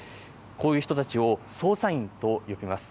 こういう人たちを操作員と呼びます。